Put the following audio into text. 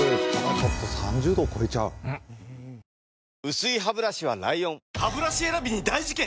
薄いハブラシは ＬＩＯＮハブラシ選びに大事件！